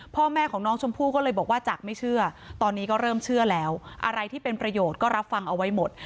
พ่อแม่ของน้องชมพู่ก็เลยบอกว่าจากไม่เชื่อตอนนี้ก็เริ่มเชื่อแล้วอะไรที่เป็นประโยชน์ก็รับฟังเอาไว้หมด